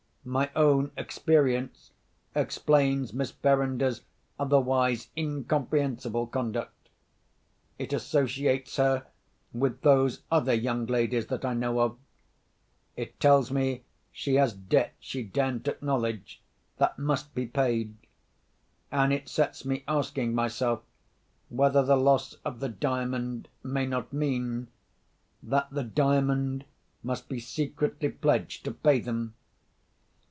My own experience explains Miss Verinder's otherwise incomprehensible conduct. It associates her with those other young ladies that I know of. It tells me she has debts she daren't acknowledge, that must be paid. And it sets me asking myself, whether the loss of the Diamond may not mean—that the Diamond must be secretly pledged to pay them.